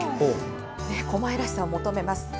狛江らしさを求めます。